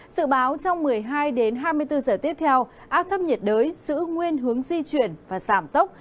sự báo trong một mươi hai đến hai mươi bốn giờ tiếp theo áp thấp nhiệt đới giữ nguyên hướng di chuyển và giảm tốc